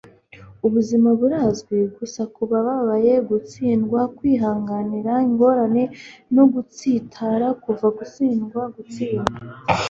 ubuzima burazwi gusa kubababaye, gutsindwa, kwihanganira ingorane no gutsitara kuva gutsindwa gutsindwa